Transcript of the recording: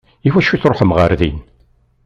I wacu i tṛuḥem ɣer din?